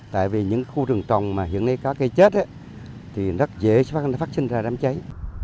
tại vì những khu rừng trồng mà hiện nay có cây chết thì rất dễ phát sinh ra đám cháy